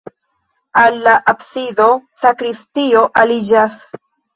Al la absido sakristio aliĝas.